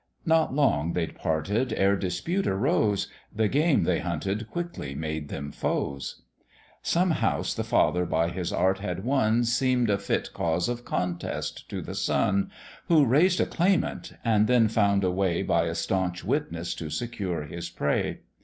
Not long they'd parted ere dispute arose; The game they hunted quickly made them foes. Some house the father by his art had won Seem'd a fit cause of contest to the son, Who raised a claimant, and then found a way By a staunch witness to secure his prey.